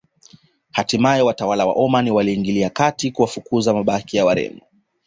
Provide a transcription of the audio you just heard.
Hatimae watawala wa Omani waliingilia kati na kuwafukuza mabaki ya Wareno